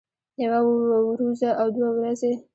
يوه وروځه او دوه ورځې